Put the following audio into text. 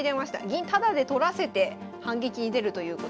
銀タダで取らせて反撃に出るということで。